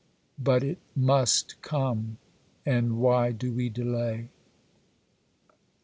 But it must come, and why do we delay?